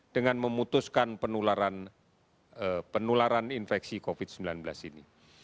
dengan memutuskan penularan infeksi covid sembilan belas ini